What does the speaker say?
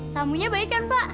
tamunya baik kan pak